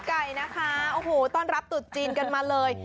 ไก่นะคะโอ้โหต้อนรับตุดจีนกันมาเลย